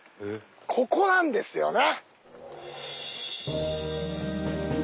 ここなんですよね。